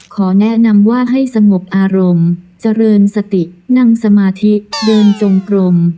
ขอแนะนำว่าให้สงบอารมณ์เจริญสตินั่งสมาธิเดินจงกลม